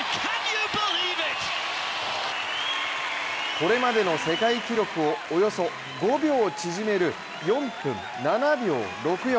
これまでの世界記録をおよそ５秒縮める４分７秒６４。